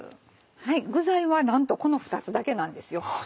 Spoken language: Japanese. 具材はなんとこの２つだけなんですよ。